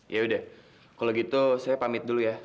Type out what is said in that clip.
ya udah kalau gitu saya pamit dulu ya